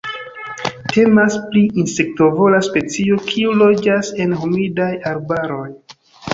Temas pri insektovora specio kiu loĝas en humidaj arbaroj.